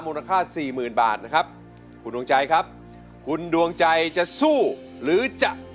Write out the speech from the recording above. มูลค่าสี่หมื่นบาทนะครับคุณดวงใจครับคุณดวงใจจะสู้หรือจะ